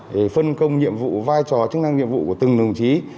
để phân công nhiệm vụ vai trò chức năng nhiệm vụ của từng đồng chí